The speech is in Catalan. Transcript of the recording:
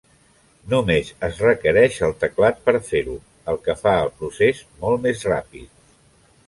Només es requereix el teclat per fer-ho, el que fa el procés molt més ràpid.